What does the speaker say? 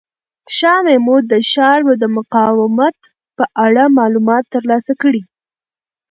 شاه محمود د ښار د مقاومت په اړه معلومات ترلاسه کړل.